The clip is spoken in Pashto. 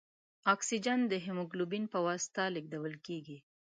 اکسیجن د هیموګلوبین په واسطه لېږدوال کېږي.